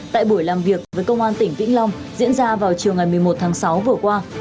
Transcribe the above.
tại buổi làm việc với công an tỉnh vĩnh long diễn ra vào chiều ngày một mươi một tháng sáu vừa qua